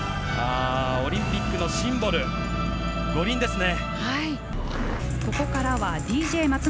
あオリンピックのシンボル五輪ですね。